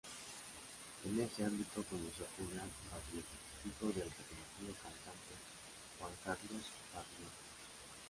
En ese ámbito conoció a Julián Baglietto, hijo del reconocido cantante Juan Carlos Baglietto.